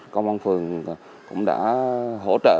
công an phường cũng đã hỗ trợ